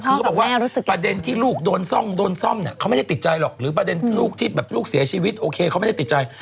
พ่อกับแม่รู้สึกประเด็นที่ลูกโดนซ่องโดนซ่อมเขาไม่ได้ติดใจหรอกหรือประเด็นที่ลูกเสียชีวิตโอเคเขาไม่ได้ติดใจ